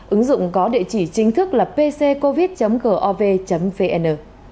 ứng dụng có địa chỉ chính thức là pcv gov vn